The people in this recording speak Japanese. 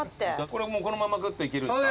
これこのままグッといけるんですか？